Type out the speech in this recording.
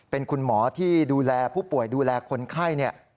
เป็นคุณหมอที่ดูแลผู้ป่วยดูแลคนไข้